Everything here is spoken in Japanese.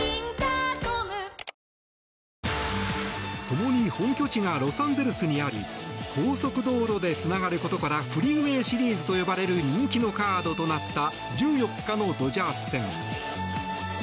ともに本拠地がロサンゼルスにあり高速道路でつながることからフリーウェー・シリーズと呼ばれる人気のカードとなった１４日のドジャース戦。